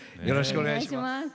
よろしくお願いします。